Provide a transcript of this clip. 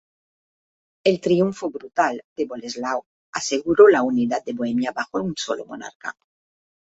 El triunfo brutal de Boleslao aseguró la unidad de Bohemia bajo un sólo monarca.